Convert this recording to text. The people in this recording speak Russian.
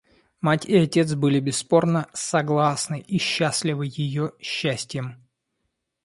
Мать и отец были бесспорно согласны и счастливы ее счастьем.